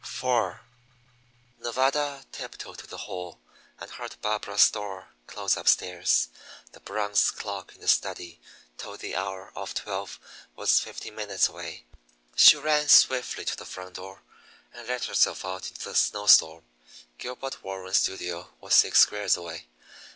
IV Nevada tiptoed to the hall, and heard Barbara's door close upstairs. The bronze clock in the study told the hour of twelve was fifteen minutes away. She ran swiftly to the front door, and let herself out into the snow storm. Gilbert Warren's studio was six squares away.